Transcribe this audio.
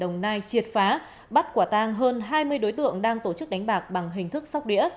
đồng nai triệt phá bắt quả tang hơn hai mươi đối tượng đang tổ chức đánh bạc bằng hình thức sóc đĩa